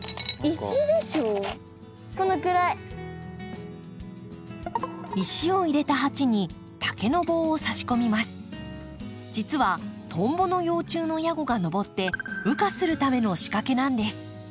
石を入れた鉢に実はトンボの幼虫のヤゴが上って羽化するための仕掛けなんです。